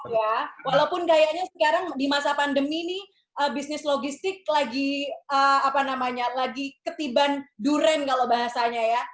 ya walaupun kayaknya sekarang di masa pandemi nih bisnis logistik lagi apa namanya lagi ketiban durian kalau bahasanya ya